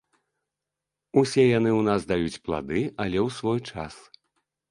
Усе яны ў нас даюць плады, але ў свой час.